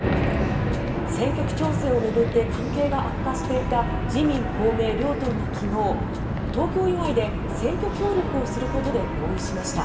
選挙区調整を巡って関係が悪化していた自民・公明両党が昨日東京以外で選挙協力をすることで合意しました。